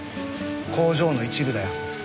工場の一部だよ。